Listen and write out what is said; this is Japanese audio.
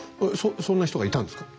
そんな人がいたんですか？